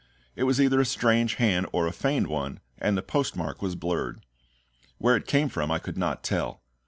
It was either a strange hand or a feigned one, and the postmark was blurred. Where it came from I could not tell.